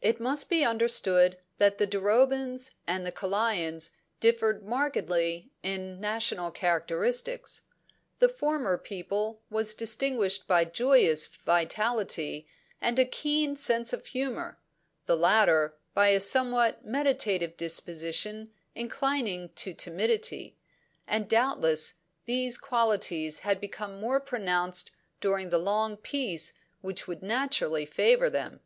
"'It must be understood that the Durobans and the Kalayans differed markedly in national characteristics. The former people was distinguished by joyous vitality and a keen sense of humour; the latter, by a somewhat meditative disposition inclining to timidity; and doubtless these qualities had become more pronounced during the long peace which would naturally favour them.